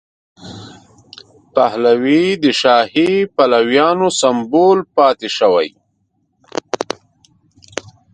پهلوي د شاهي پلویانو سمبول پاتې شوی.